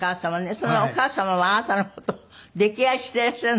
そのお義母様はあなたの事を溺愛していらっしゃるんですってね。